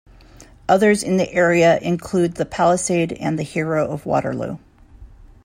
Others in the area include the Palisade and the Hero of Waterloo.